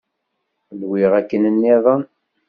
Nwiɣ akken-nniḍen.